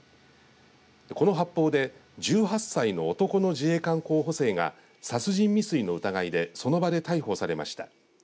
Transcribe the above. この発砲で１８歳の男の自衛官候補生が殺人未遂の疑いでその場で逮捕されました。